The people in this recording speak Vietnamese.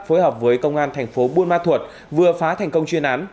phối hợp với công an thành phố buôn ma thuột vừa phá thành công chuyên án